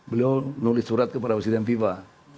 beliau menulis surat kepada presiden viva